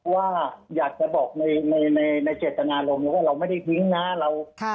ว่าอยากจะบอกในในในในเจตนาเรามีว่าเราไม่ได้ทิ้งนะเราค่ะ